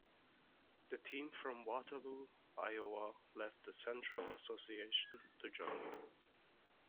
The team from Waterloo, Iowa left the Central Association to join here.